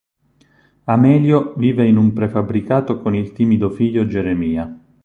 Amelio vive in un prefabbricato con il timido figlio Geremia.